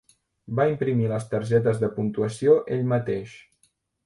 Va imprimir les targetes de puntuació ell mateix.